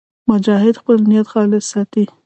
مجاهد خپل نیت خالص ساتي.